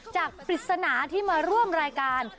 ปริศนาที่มาร่วมรายการ